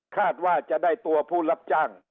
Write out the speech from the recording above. คาดว่าจะได้ตัวผู้รับจ้าง